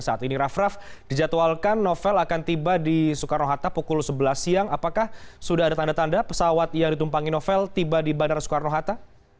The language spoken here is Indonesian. saat ini raff raff dijadwalkan novel akan tiba di soekarno hatta pukul sebelas siang apakah sudah ada tanda tanda pesawat yang ditumpangi novel tiba di bandara soekarno hatta